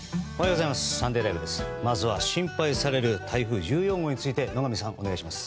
まずは心配される台風１４号について野上さん、お願いします。